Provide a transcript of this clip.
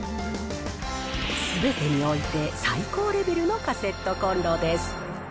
すべてにおいて最高レベルのカセットコンロです。